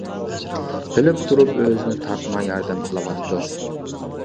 بىلىپ تۇرۇپ ئۆزىنى تارتماي ياردەم قىلىۋاتىدۇ.